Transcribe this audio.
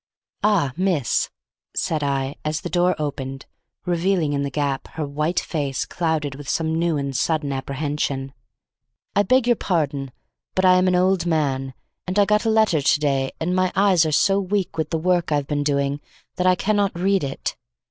"Ah miss," said I, as the door opened revealing in the gap her white face clouded with some new and sudden apprehension, "I beg your pardon but I am an old man, and I got a letter to day and my eyes are so weak with the work I've been doing that I cannot read it.